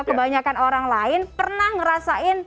kebanyakan orang lain pernah ngerasain